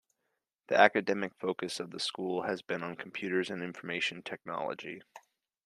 The academic focus of the school has been on computers and information technology.